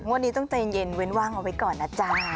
วันนี้ต้องใจเย็นเว้นว่างเอาไว้ก่อนนะจ๊ะ